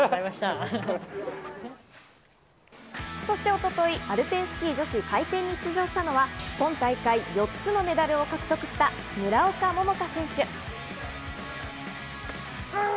そして一昨日、アルペンスキー女子回転に出場したのは今大会４つのメダルを獲得した村岡桃佳選手。